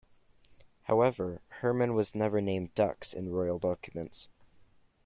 However, Hermann was never named "dux" in royal documents.